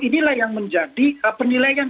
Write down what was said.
inilah yang menjadi penilaian